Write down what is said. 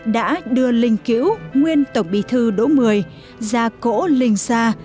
đã đưa linh cữu nguyên tổng bí thư đỗ mười ra cỗ linh sa